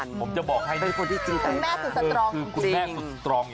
เป็นคนที่จริงใจมากคือคุณแม่สุดสตรองจริงผมจะบอกให้คุณแม่สุดสตรอง